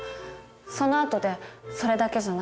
そのあとで「それだけじゃない。